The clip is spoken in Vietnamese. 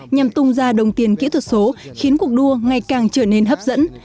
nhằm tung ra đồng tiền kỹ thuật số khiến cuộc đua ngày càng trở nên hấp dẫn